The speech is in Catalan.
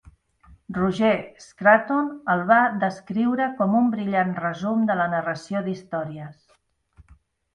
Roger Scruton el va descriure com un "brillant resum de la narració d'històries".